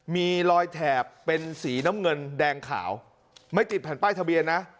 มีรอยแถบเป็นสีน้ำเงินแดงขาวไม่ติดแผ่นป้ายทะเบียนนะ